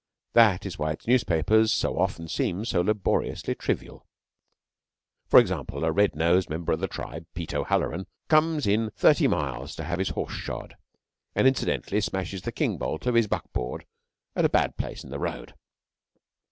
That is why its newspapers so often seem so laboriously trivial. For example, a red nosed member of the tribe, Pete O'Halloran, comes in thirty miles to have his horse shod, and incidentally smashes the king bolt of his buckboard at a bad place in the road.